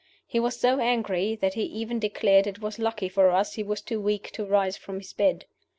He was so angry that he even declared it was lucky for us he was too weak to rise from his bed.